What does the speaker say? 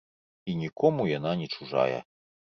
І нікому яна не чужая.